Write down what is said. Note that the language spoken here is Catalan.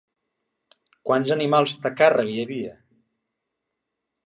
Quants animals de càrrega hi havia?